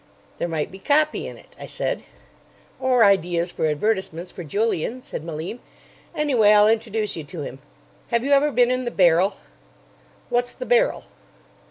"There might be copy in it," I said. "Or ideas for advertisements for Julian," said Malim. "Anyway, I'll introduce you to him. Have you ever been in the Barrel?" "What's the Barrel?"